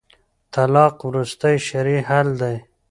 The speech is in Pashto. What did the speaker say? طلاق وروستی شرعي حل دی